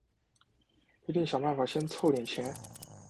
一定想办法先凑点钱